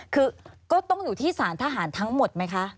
คือก็ต้องอยู่ที่สารทหารทั้งหมดไหมคะ